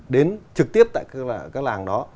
đến trực tiếp tại các làng đó